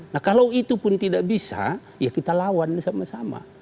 nah kalau itu pun tidak bisa ya kita lawan sama sama